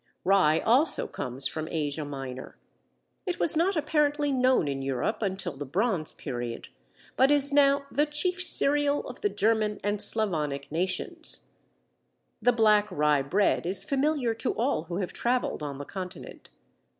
Rye also comes from Asia Minor. It was not apparently known in Europe until the Bronze period, but is now "the chief cereal of the German and Slavonic nations." The black rye bread is familiar to all who have travelled on the Continent.